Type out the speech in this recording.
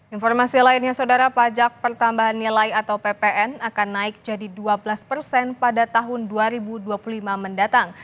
informasi lainnya saudara pajak pertambahan nilai atau ppn akan naik jadi dua belas persen pada tahun dua ribu dua puluh lima mendatang